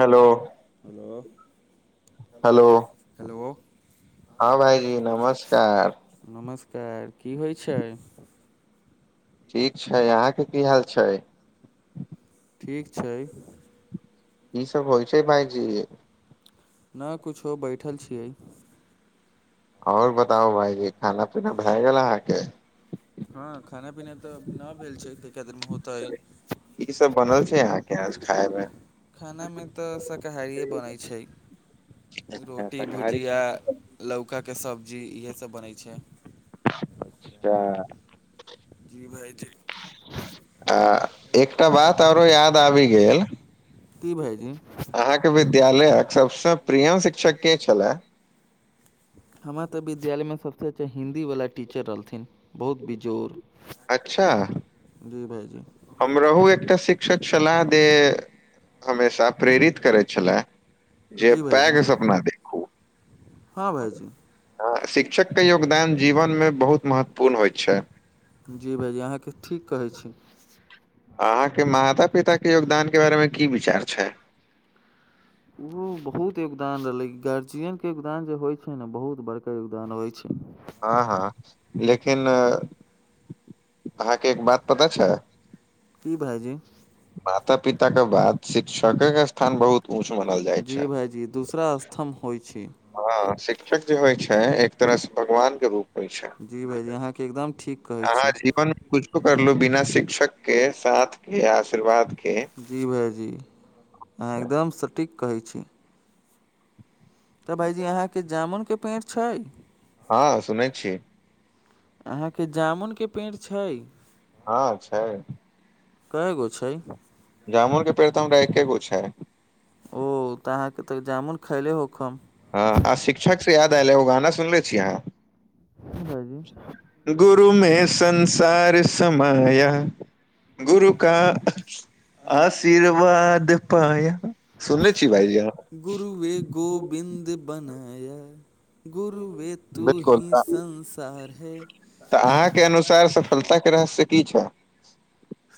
Hello hello hello hello हँ भाइजी नमस्कार नमस्कार की होइ छै ठीक छै अहाँ के की हाल छै ठीक छै की सब होइ छै भायजी न कुछो बैठल छियै आओर बताउ भाईजी खाना पीना भए गेल अहाँके हँ खाना पीना तऽ नहि भेल छै कऽ कए दरमे होतै की सब बनल छै अहाँ के आज खाय मे खानामे तऽ शाकाहारिए बनैत छै अच्छा, रोटी शाकाहारी भुजिया लौकाके सब्जी इएहे सब बनै छै अच्छा जी भाइ जी आ एकटा बात आरो याद आबि गेल की भायजी अहाके विद्यालयक सबस प्रियम शिक्षक के छले हमरा तऽ विद्यालयमे सभसँ अच्छा हिन्दीवला टीचर रहलथिन बहुत बेजोड़ अच्छा जी भाायजी हमरहु एकटा शिक्षक छलाह जे हमेशा प्रेरित करैत छलए जे जी भाइजी पैघ सपना देखू हँ भाइजी हँ शिक्षकके योगदान जीवनमे बहुत महत्वपूर्ण होइ छै जी भाजी अहाँके ठीक कहैत छी अहाँके माता पिताके योगदानके बारेमे की विचार छै ओहो बहुत योगदान रहलै गार्जियनके योगदान जे होइ छै ने बहुत बड़का योगदान होइ छै हँ हँ लेकिन अहाँके एक बात पता छै की भाइजी माता पिता क बात शिक्षके के स्थान बहुत ऊँच मानल जाइ जी छै भाइजी दूसरा स्तम्भ होइ छै हँ शिक्षक जे होइ छै एक तरह से भगवान के रूप होइ छै जी भाइजी अहाँके एकदम ठीक कहैत छी न कुछो करलु बिना शिक्षक के साथ के य आशीर्वाद के जी भायजी अहाँ एकदम सटीक कहै छी तऽ भायजी अहाँके जामुनके पेड़ छै हँ सुनै छी अहाँके जामुनके पेंड़ छै हँ छै कएय गो छै जामुन के पेड़ तऽ हमरा एके गो छय ओ तऽ अहाँके तऽ जामुन खएले होकम हँ आ शिक्षक सँ याद आयल, एगो गाना सुनले छी भाइजी अहाँ गुरुमे संसार समायल गुरु का आशीर्वाद पाय सुनने छी भाइजी गुरुवे गोविन्द बनाय गुरु वे तू बिल्कुल ही तऽ संसार है के अनुसार सफलता के रहस्य की छ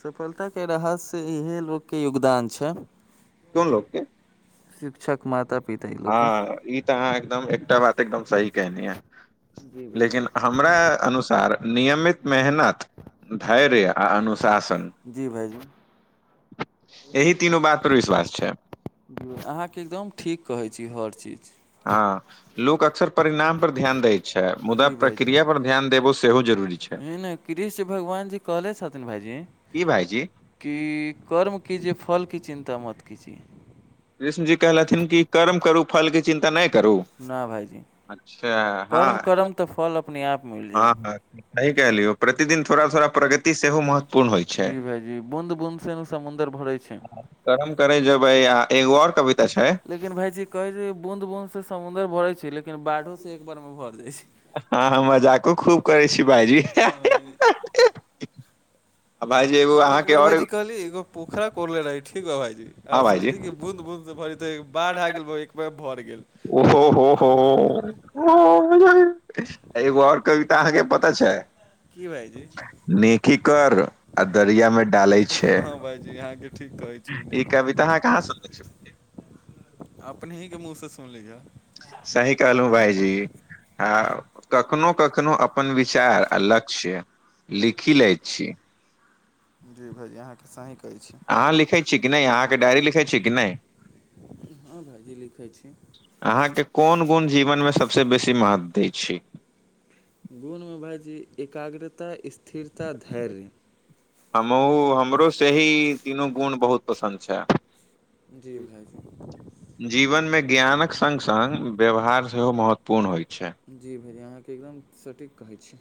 सफलताके रहस्य इएह लोकके योगदान छै कोन लोक के शिक्षक माता पिता ई लोक हँ ई तऽ अहाँ एकदम एकटा बात सही कहलहुँ जी मुदा भाइजी हमरा अनुसार नियमित मेहनत धैर्य आर अनुशासन जी भाइजी [inaudible] तीनू बात पर विश्वास छै अहाँके एकदम ठीक कहैत छी हर चीज हँ लोक अक्सर परिणाम पर ध्यान दै छै मुदा प्रक्रिया पर ध्यान देब सेहो जरूरी छै एने कृष्ण भगवान जी कहले छथिन भायजी की भाईजी कि कर्मके जे फलके चिन्ता मत करू छी कृष्ण जी कहलथिन कि कर्म करू फलके चिन्ता नहि करू न भायजी अच्छा कर्म हँ कर्म तऽ फल अपने आप मिलि हँ जाय हँ सही कहलियौ प्रतिदिन थोडा थोडा प्रगति सेहो महत्व जी भायजी बूँद बूंदसँ ने समुद्र भरैत छै करम करै जेबै, आ एगो आर कविता छै लेकिन भायजी कहै छै बूँद बूँद सँ समुद्र भरै छै लेकिन बाढ़ि सँ एके बेरमे भरि जाइ छै हँ मजाको खूब करै छी भाइजी हम एक बेर भायजी एगो कहली एगो पोखरा कोड़ने रही ठीक हँ भायजी आ हँ भाईजी सोचने रही बूँद बूँद सँ भरै छल, मुदा बाढ़ि आबि गेल आ एके बेरमे भरि गेल ओ हो हो हो ओ एगो आर कविता अहाँकेँ पता छै की भायजी नेकी कर आ दरिया मे डाल छै भायजी, अहाँ ठीक कहै छी ई कविता अहाँ कहाँ सुनने छी अपनेहि मुँह सँ सुनि लिअ सही कहलहुँ भायजी हँ, कखनो कखनो अपन विचार आ लक्ष्य लिखि लै छी जी भायजी अहाँके जे कहैत छी से सही अहाँ लिखै छी कि नहि अहाँके डायरी लिखै छी कि नहि छै हँ भायजी लिखै छी अहाँकेँ कोन गुण जीवनमे सभसँ बेसी महत्व दै छै गुणमे भायजी एकाग्रता, स्थिरता आ धैर्य हमहूँ हमरो सँ ई तीनू गुण बहुत पसन्द छै जी भैयजी जीवनमे ज्ञानक सङ्गे सङ्ग व्यवहार सेहो महत्वपूर्ण होइत छै जी भायजी अहाँकेँ एकदम सटीक कहै छी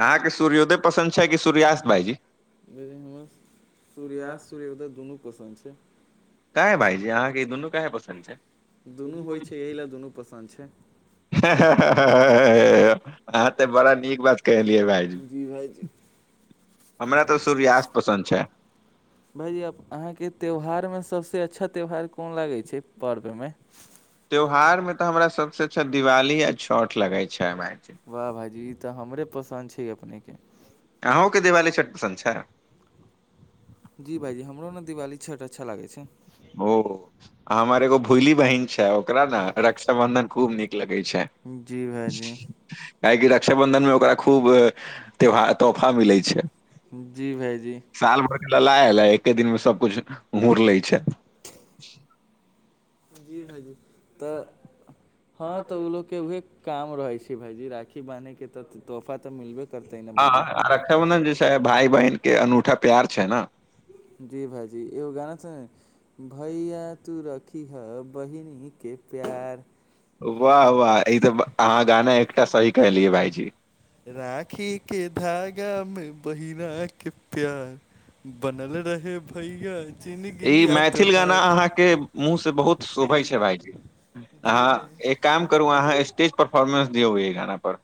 अहाँके सूर्योदय पसन्द छै कि सूर्यास्त भायजी हमर सूर्योदय आ सूर्यास्त दुनू पसन्द छै किऐक भायजी अहाँके ई दुनू किऐ पसन्द छै दुनू होइ छै एहि लेल दुनू पसन्द छै [unintelligible] आहाँ तऽ बड़ा नीक बात कहलिए भइजी जी भाइजी हमरा तऽ सूर्यास्त पसन्द छै भायजी अहाँके त्यौहार मे सभसँ अच्छा त्यौहार कोन लागैत छै पर्व मे त्यौहार मे तऽ हमरा सभसँ अच्छा दिवाली आ छठ लगै छै हमरा अरके वाह भाइजी ई तऽ हमरे पसन्द छै अपने के आहू के दिवाली छठ पसन्द छै जी भाइजी हमरो न दिवाली छठ अच्छा लागै छै ओ हमर एगो भुइली बहिन छै ओकरा न रक्षा बन्धन खूब नीक लगै छै जी भायजी काहेकि रक्षाबन्ध नमे ओकरा खूब त्यौहार तोफा मिलै छै जी भायजी साल भर के ललाइ आ एके दिन मे सब कुछ हुर लेय छै [unintelligible] जी भाइजी तऽ हँ तऽ उ लगके उहे काम रहे छै भायजी राखी बानहे के त तोफा तऽ मिलबे करतै ने हँ भाइजी हँ रक्षा बंधन जे छै भाय बहिन के अनूठा प्यार छै न जी भाइजी एगो गाना छै भैया तू रखियह बहिनी के प्यार वाह वाह ई तऽ आहाँ गाना एकटा सही कहलियै भायजी राखी के धागा मे बहिना के प्यार बनल रहे भैया ई जिंदगी या मैथिल गाना तोहार अहाँ के मुँह से बहुत शोभै छै भायजी अहाँ एक काम करु अहाँ स्टेज परफोर्मेंस दियो एहि गाना पर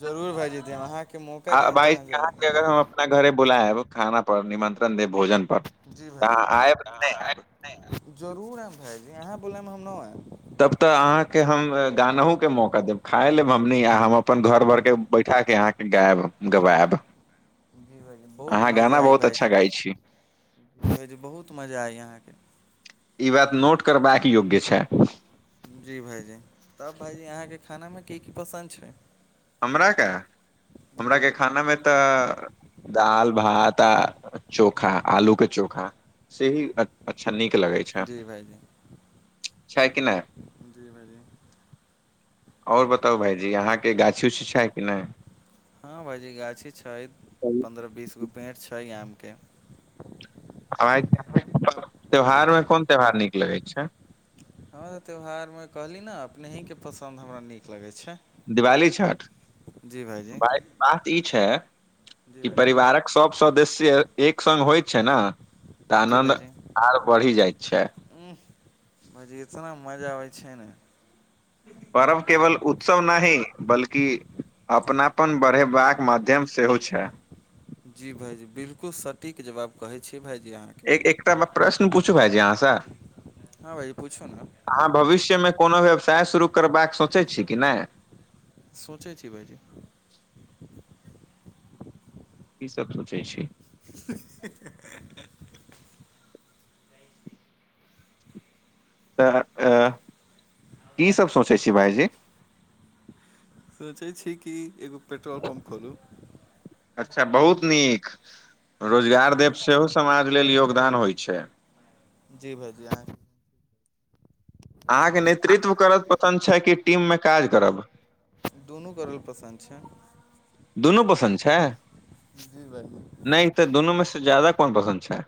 जरूर भायजी जे अहाँ के मुँह आ भाइजी आहाँके अगर हम अपना घरे बुलाएब जरूर खाना पर निमंत्रण देब भोजन पर जी तऽ अहाँ भाइजी आयब कि नहि आयब आहाँ एबै जरूर आइब भाइजी अहाँ बुलाइम हम न आइब तब तऽ अहाँके हम गानहु के मौका देब खाय लेब हमनी आ हम अपन घर भरके बैठा केे अहाँके गायब गबाएब जी भाजी बहुत मजा आइ अच्छा भाइजी गाय छी भाईजी बहुत मजा य अहाँके ई बात नोट करबाक योग्य छै जी भाइजी तब भाइजी अहाँके खाना मे की की पसन्द छै हमरा के जी हमरा के खाना मे तऽ दाल भात आ चोखा आलू के चोखा सेही अ अच्छा नीक लगै छै भाइजी छैय कि नै जी भाइजी ओर बताउ भायजी अहाँके गाछी उछी छै कि नइ हँ भाइजी गाछी छै पन्द्रह बीसगो पेड़ छै आमके [unintelligible] त्यौहारमे कोन त्यौहार नीक लगै छै हँ तऽ त्यौहारमे कहली न अपने ही के पसन्द हमरा नीक लगै छै दिवाली छठ जी भाइजी भाय बात ई छै जी ई परिवारक सब सदस्य एक संग होइ छै न तऽ आनन्द भाइजी आर बढ़ि जाइत छै भाईजी इतना मजा आबै छै न परर्व केवल उत्सव नहि बल्कि अपनापन बढ़ेबाक माध्यम सेहो छै जी भाइजी बिलकुल सटीक जवाब कहै छी भाइजी आहाँ एक एकटा प्रश्न पूछू भाईजी आहाँ सँ हँ भाइजी पूछू ने अहाँ भविष्यमे कोनो व्यवसाय शुरू करबाक सोचै छिये कि नइ सोचै छी भायजी कि सभ सोचै छी ही ही तऽ की सोचै छी भायजी सोचै छी कि एगो पेट्रोल पम्प खोलू अच्छा, बहुत नीक रोजगार देब सेहो समाज लेल योगदान होइ छै जी भायजी अहाँके अहाँके नेतृत्व करब पसन्द छै कि टीममे काज करब दुनू करल पसन्द छै। दुनू पसन्द छै जी भाइजी नहि तऽ दुनूमे सँ जादा कोन पसन्द छै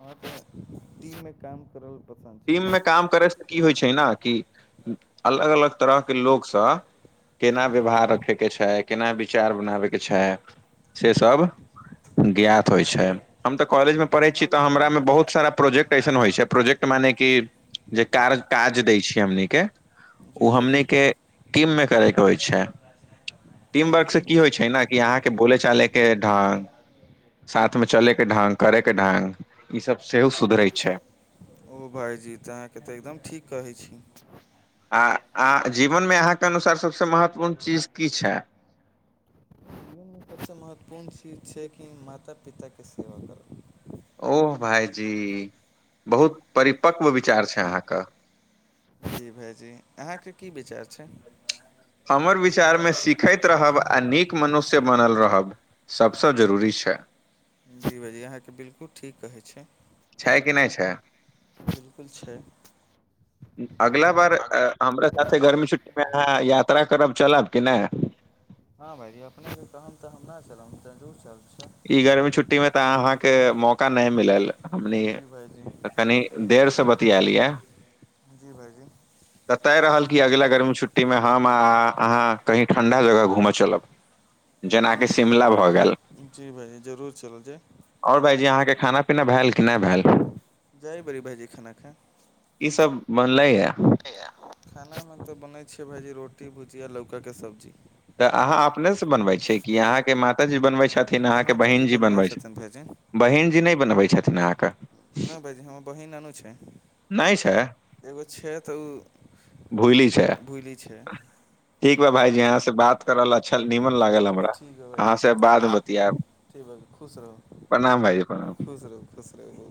वहाँ तऽ टी मे काम करल टीममे काम करयसँ की होइ छै ने कि अलग अलग तरहके लोकसभ केना व्यवहार रखयके छै, केना विचार बनाबयके छै, से सभ ज्ञात होइ छै, हम तऽ कॉलेजमे पढ़ै छी तऽ हमरा मे बहुत सारा प्रोजेक्ट ऐसन होइ छै मने कि जे काज दै छै, हमनीके जी ओ भाइजी हमनीके टीममे करेके होइ छै टीम वर्कसँ की होइ छै ने अहाँके बोलचाल के ढंग, साथमे चले के ढंग, काज करे के ढंग ई सभ सेहो सुधरै छै ओ भायजी तऽ अहाँके तऽ एकदम ठीक कहै छी आ जीवनमे अहाँके अनुसार सभसँ महत्वपूर्ण चीज की छै। ई सभसँ महत्वपूर्ण चीज छै कि माता पिताके सेवा करू ओह भायजी, बहुत परिपक्व विचार छै अहाँके जी भायजी अहाँके की विचार छै हमर विचारमे सीखैत रहब आ नीक मनुष्य बनल रहब सबसँ जरूरी छै जी भैयजी अहाँकेँ बिल्कुल ठीक कहैत छै छै कि नहि छै बिलकुल छै अगला बार हमरा साथे गर्मी छुट्टी अहाँ यात्रा करब, चलब कि नहि हँ भायजी, अपने कहब तऽ हम नहि चलब, मुदा अपने कहब तऽ जरूर चलब छै ई गर्मी छुट्टीमे तऽ अहाँके मौका नहि मिलल हमनी जी भाइजी कनि देर सँ बतियालियै जी भायजी, बतायब ने कि अगिला गर्मी छुट्टीमे। अहाँ कहू, ठंढा जगह घूमऽ चलब, जेना शिमला भऽ गेल जी भायजी जरूर चलि जाय ओ भायजी, अहाँके खाना-पीनाक भेल कि नहि भेल जय बी भायजी, खाना खा कि सभ बनलै य। खानामे तऽ बनैत छै, वही रोटी, भुजिया, लौकाके सब्जी तऽ अहाँ अपने सँ बनबै छी कि अहाँके माताजी बनबै छथि कि अहाँके माताजी बहिनजी बनबै छथि छथिन भाइजी बहिनजी नहि बनबै छथि अहाँके नहि भायजी, हमर बहिन नूनू छै नहि छै एगो छै तऽ ओ भुली छै भुली छै ठीक बा भायजी, अहाँ सँ बात कऽ के हमरा सेहो नीक लागल भाइजी अहाँ सँ बादमे बतियाएब ठीक भाइजी खुश रहू प्रणाम भायजी, प्रणाम खुश रहु खुश रहू